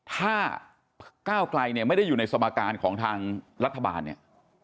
ถ้าก้าวไกลเนี่ยไม่ได้อยู่ในสมการของทางรัฐบาลเนี่ย